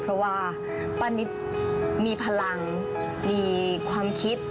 เพราะว่าป้านิตมีพลังมีความคิด